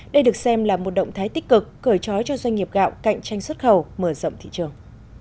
đây được xem là một động thái tích cực cởi trói cho doanh nghiệp gạo cạnh tranh xuất khẩu mở rộng thị trường